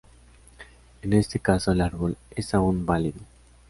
En este caso, el árbol es aun válido.